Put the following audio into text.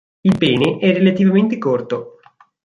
Il pene è relativamente corto.